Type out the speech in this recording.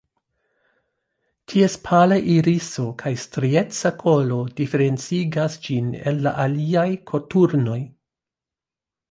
Ties pala iriso kaj strieca kolo diferencigas ĝin el la aliaj koturnoj.